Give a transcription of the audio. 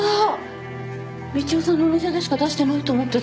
道夫さんのお店でしか出してないと思ってたのに。